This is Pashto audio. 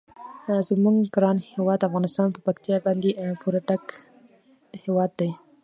زموږ ګران هیواد افغانستان په پکتیکا باندې پوره ډک هیواد دی.